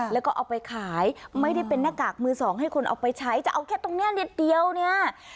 แล้วก็เอาไปขายไม่ได้เป็นหน้ากากมือสองให้คนเอาไปใช้จะเอาแค่ตรงนี้นิดเดียวเนี่ย